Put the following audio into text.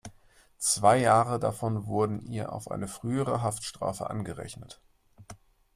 Zwei Jahre davon wurden ihr auf eine frühere Haftstrafe angerechnet.